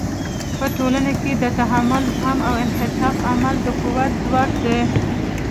په ټولنو کې د تحمل، زغم او انعطاف عمل د قوت ځواک دی.